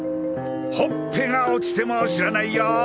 ホッペが落ちても知らないよぉ！